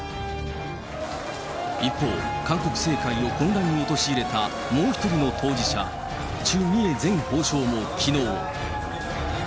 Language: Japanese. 一方、韓国政界を混乱に陥れたもう一人の当事者、チュ・ミエ前法相もきのう。